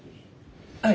はい。